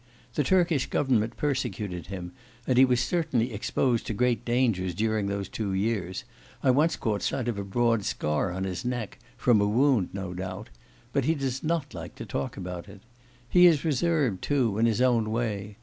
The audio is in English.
The Turkish Government persecuted him, and he was certainly exposed to great dangers during those two years; I once caught sight of a broad scar on his neck, from a wound, no doubt; but he does not like to talk about it. He is reserved, too, in his own way.